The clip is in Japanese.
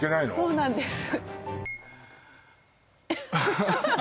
そうなんです